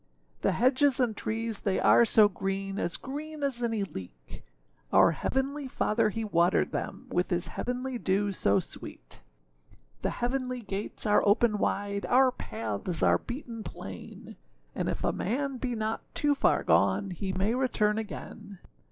The hedges and trees they are so green, As green as any leek; Our heavenly Father he watered them With his heavenly dew so sweet. The heavenly gates are open wide, Our paths are beaten plain; And if a man be not too far gone, He may return again.